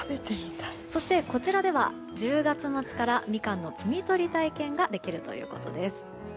そして、こちらでは１０月末からみかんの摘み取り体験ができるということです。